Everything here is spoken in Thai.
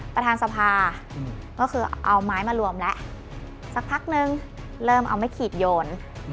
ประธานสภาก็คือเอาไม้มารวมแล้วสักพักนึงเริ่มเอาไม้ขีดโยน